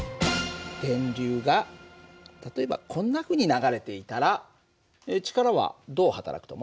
電流が例えばこんなふうに流れていたら力はどう働くと思う？